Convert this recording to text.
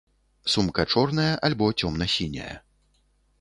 Сумка чорная альбо цёмна сіняя.